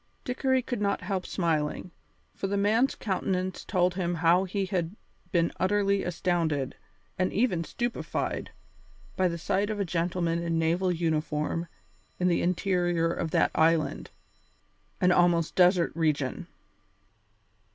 Dickory could not help smiling, for the man's countenance told him how he had been utterly astounded, and even stupefied, by the sight of a gentleman in naval uniform in the interior of that island, an almost desert region.